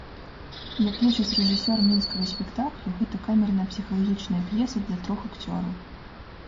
Як лічыць рэжысёр мінскага спектаклю, гэта камерная псіхалагічная п'еса для трох акцёраў.